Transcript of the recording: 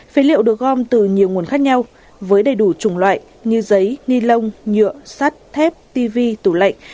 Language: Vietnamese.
phế liệu được gom từ nhiều nguồn khác nhau với đầy đủ chủng loại như giấy ni lông nhựa sắt thép tv tủ lạnh